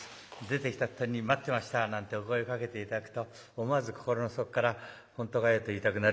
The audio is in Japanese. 出てきた途端に「待ってました」なんてお声をかけて頂くと思わず心の底から本当かよと言いたくなるような。